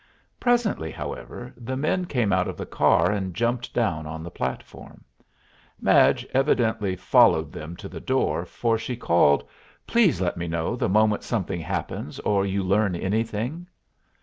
Presently, however, the men came out of the car and jumped down on the platform. Madge evidently followed them to the door, for she called, "Please let me know the moment something happens or you learn anything."